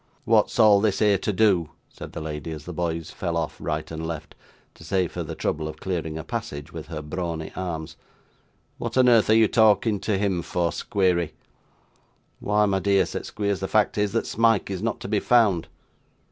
'What's all this here to do?' said the lady, as the boys fell off right and left, to save her the trouble of clearing a passage with her brawny arms. 'What on earth are you a talking to him for, Squeery!' 'Why, my dear,' said Squeers, 'the fact is, that Smike is not to be found.